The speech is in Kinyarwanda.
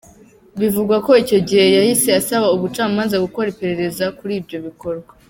Bivugwa ko icyo gihe yahise asaba ubucamanza gukora iperereza kuri ibyo bikorwa.